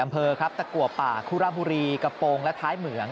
อำเภอครับตะกัวป่าคุระบุรีกระโปรงและท้ายเหมือง